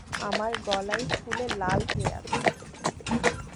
আমার গলায় ফুলে লাল হয়ে আছে।